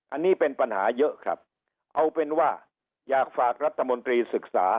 อันนี้เป็นปัญหาเยอะครับเอาเป็นว่าอยากฝากรัฐมนตรีศึกษา